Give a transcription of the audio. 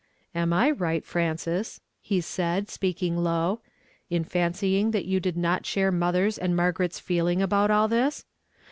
"Am I right, Frances," lie said, speaking low, *' in fancying that you did not share mother's and Margaret's feeling about all this?